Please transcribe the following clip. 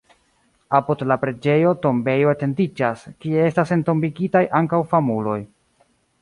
Apud la preĝejo tombejo etendiĝas, kie estas entombigitaj ankaŭ famuloj.